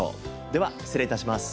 では失礼致します。